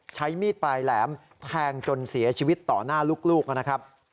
ใช้มีดปลายแหลมแทงจนเสียชีวิตต่อหน้าลูกนะครับ